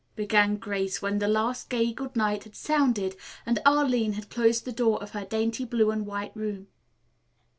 began Grace when the last gay good night had sounded and Arline had closed the door of her dainty blue and white room.